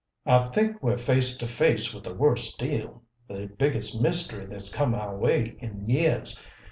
"I think we're face to face with the worst deal, the biggest mystery that's come our way in years.